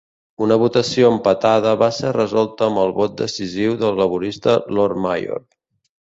Una votació empatada va ser resolta amb el vot decisiu del laborista Lord Mayor.